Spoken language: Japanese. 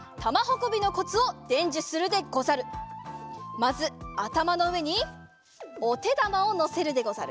まずあたまのうえにおてだまをのせるでござる。